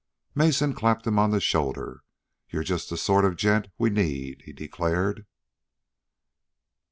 Mason clapped him on the shoulder. "You're just the sort of a gent we need," he declared.